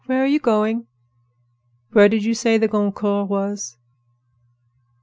"Where are you going?" "Where did you say the Goncourt was?"